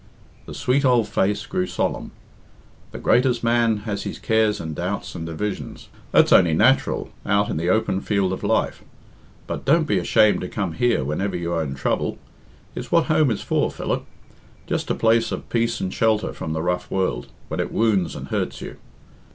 The sweet old face grew solemn. "The greatest man has his cares and doubts and divisions. That's only natural out in the open field of life. But don't be ashamed to come here whenever you are in trouble. It's what home is for, Philip. Just a place of peace and shelter from the rough world, when it wounds and hurts you.